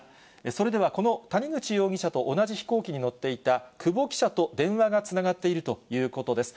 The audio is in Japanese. それでは、この谷口容疑者と同じ飛行機に乗っていた久保記者と電話がつながっているということです。